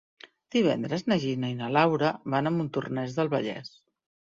Divendres na Gina i na Laura van a Montornès del Vallès.